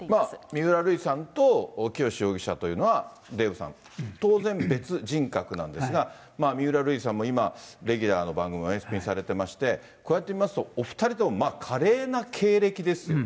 三浦瑠麗さんと清志容疑者というのはデーブさん、当然、別人格なんですが、三浦瑠麗さんも、今、レギュラーの番組もお休みされてまして、こうやって見ますと、お２人とも華麗な経歴ですよね。